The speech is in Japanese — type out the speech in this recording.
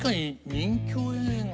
任侠映画。